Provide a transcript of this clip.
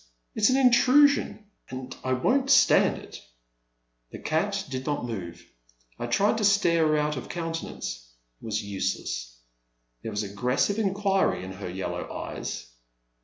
It 's an intrusion, and I won't stand it !*' The cat did not move. I tried to stare her out of countenance. It was useless. There was aggressive inquiry in her yellow eyes.